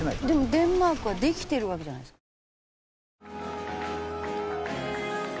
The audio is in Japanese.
でもデンマークはできてるわけじゃないですか。